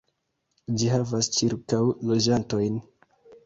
Ĝi havas ĉirkaŭ loĝantojn.